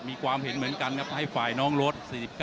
มีความเห็นเหมือนกันครับให้ฝ่ายน้องรถ๔๙